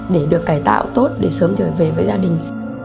để được cải tạo tốt để sớm trở về với gia đình